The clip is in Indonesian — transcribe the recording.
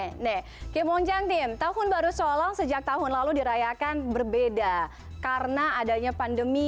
hai kemungkinan tim tahun baru seolah sejak tahun lalu dirayakan berbeda karena adanya pandemi